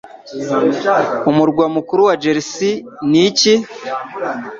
Umurwa mukuru wa Jersey ni iki?